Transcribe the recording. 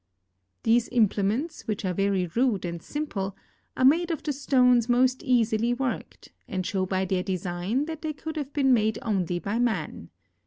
These implements, which are very rude and simple, are made of the stones most easily worked, and show b}'' their design that they could have been made only by man.